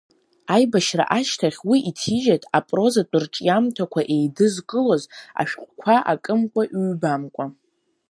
Аибашьра ашьҭахь уи иҭижьит апрозатә рҿиамҭақәа еидызкылоз ашәҟәқәа акымкәа-ҩбамкәа.